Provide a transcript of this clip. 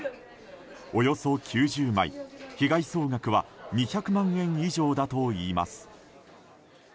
およそ９０枚、被害総額は２００万円以上だといいます。